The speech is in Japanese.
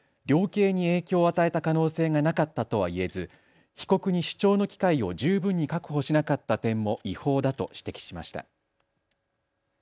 量刑に影響を与えた可能性がなかったとは言えず被告に主張の機会を十分に確保しなかった点も違法だと指摘しました。